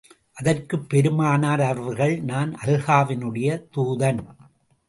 அதற்குப் பெருமானார் அவர்கள், நான் அல்லாஹவினுடைய தூதன்.